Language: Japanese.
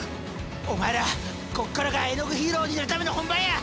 お前らこっからがえのぐヒーローになるための本番や！